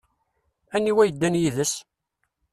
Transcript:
Aniwa yeddan yid-s?